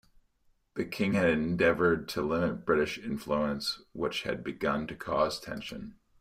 The King had endeavored to limit British influence, which had begun to cause tension.